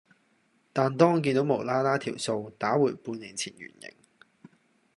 但當見倒無啦啦條數打回半年前原形